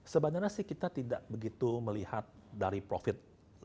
sebenarnya sih kita tidak begitu melihat dari profit